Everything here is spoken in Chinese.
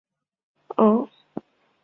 但这个说法没有其他的证据支持。